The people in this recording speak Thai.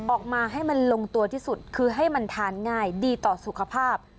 ออกมาให้มันลงตัวที่สุดคือให้มันทานง่ายดีต่อสุขภาพ